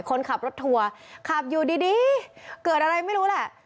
คนขับรถทัวร์ขับอยู่ดีเกิดอะไรไม่รู้แหละ